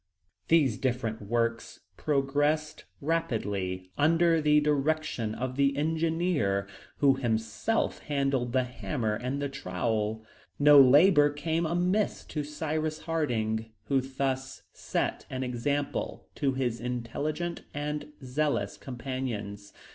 These different works progressed rapidly under the direction of the engineer, who himself handled the hammer and the trowel. No labor came amiss to Cyrus Harding, who thus set an example to his intelligent and zealous companions.